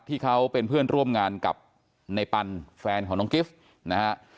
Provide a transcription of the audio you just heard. ที่เขาเป็นเพื่อนร่วมงานกับในปันแฟนของน้องกิฟต์นะฮะ